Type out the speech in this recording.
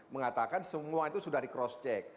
mengatakan semua itu sudah di cross check